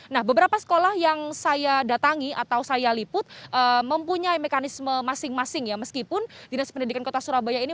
nah beberapa sekolah yang saya datangi atau saya liput mempunyai mekanisme masing masing ya meskipun dinas pendidikan kota surabaya ini